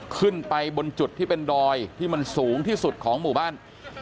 ขึ้นไปบนจุดที่เป็นดอยที่มันสูงที่สุดของหมู่บ้าน